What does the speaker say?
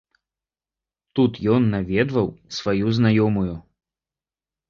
Тут ён наведваў сваю знаёмую.